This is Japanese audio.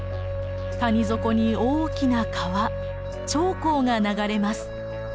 谷底に大きな川長江が流れます。